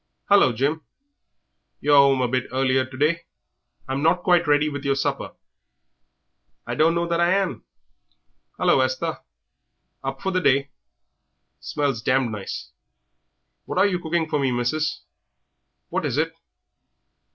"Hullo, Jim; yer are 'ome a bit earlier to day. I'm not quite ready with yer supper." "I dunno that I am. Hullo, Esther! Up for the day? Smells damned nice, what you're cooking for me, missus. What is it?"